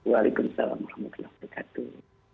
waalaikumsalam warahmatullahi wabarakatuh